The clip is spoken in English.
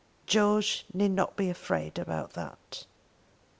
George need not be afraid about that."